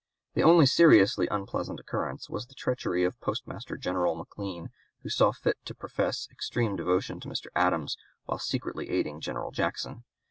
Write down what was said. The only seriously unpleasant occurrence was the treachery of Postmaster General McLean, who saw fit to profess extreme devotion to Mr. Adams while secretly aiding General Jackson.